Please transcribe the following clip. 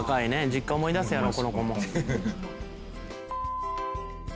実家思い出すやろこの子も。